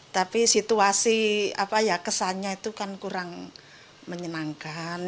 tapi situasi kesannya itu kan kurang menyenangkan